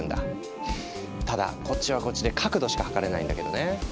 ただこっちはこっちで角度しか測れないんだけどね。